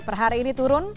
perhari ini turun